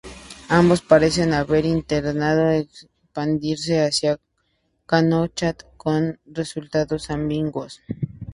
Ambos parecen haber intentado expandirse hacia Connacht, con resultados ambiguos.